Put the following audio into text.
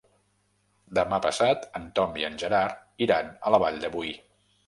Demà passat en Tom i en Gerard iran a la Vall de Boí.